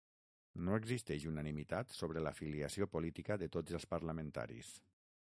No existeix unanimitat sobre l'afiliació política de tots els parlamentaris.